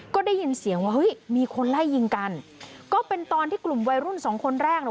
ก็ได้ยินเสียงว่าเฮ้ยมีคนไล่ยิงกันก็เป็นตอนที่กลุ่มวัยรุ่นสองคนแรกน่ะ